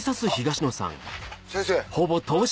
先生。